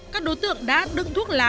các đối tượng đã đựng thuốc lá